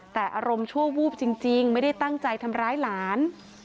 แต่อารมณ์ชั่ววูบจริงไม่ได้ตั้งใจทำร้ายหลาน